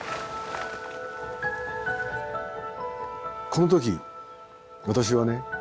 この時私はね